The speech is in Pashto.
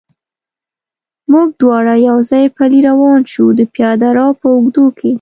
موږ دواړه یو ځای پلی روان شو، د پیاده رو په اوږدو کې.